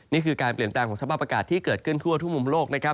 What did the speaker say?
นี่คือการเปลี่ยนแปลงของสภาพประกาศที่เกิดเกินทั่วทุกมุมโลก